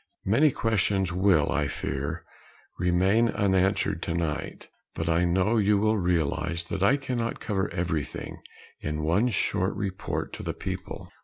Many questions will, I fear, remain unanswered tonight; but I know you will realize that I cannot cover everything in any one short report to the people.